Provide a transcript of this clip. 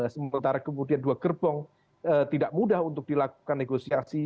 sementara kemudian dua gerbong tidak mudah untuk dilakukan negosiasi